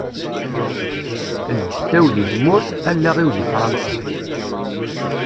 Lǧetta-w di tmurt, allaɣ-iw di Fransa.